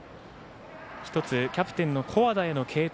一つ、キャプテンの古和田への継投。